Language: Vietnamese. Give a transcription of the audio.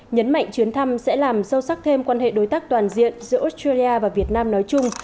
nhấn mạnh chuyến thăm sẽ làm sâu sắc thêm quan hệ đối tác toàn diện giữa australia và việt nam nói chung